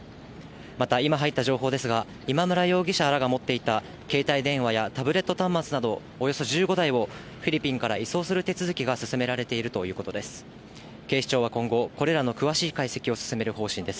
また、今入った情報ですが、今村容疑者らが持っていた携帯電話やタブレット端末などおよそ１５台をフィリピンから移送する手続きが進められているということです。